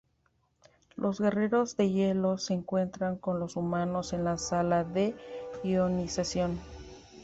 Los guerreros de hielo se encuentran con los humanos en la sala de ionización.